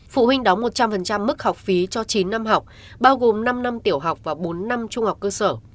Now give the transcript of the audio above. phụ huynh đóng một trăm linh mức học phí cho chín năm học bao gồm năm năm tiểu học và bốn năm trung học cơ sở